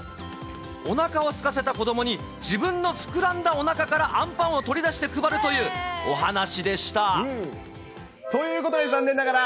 おなかをすかせた子どもに、自分の膨らんだおなかからあんパンを取り出して配るというお話でということで、残念ながら